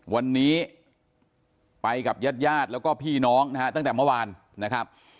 วันนี้ไปกับญาติญาติแล้วก็พี่น้องนะฮะตั้งแต่เมื่อวานนะครับ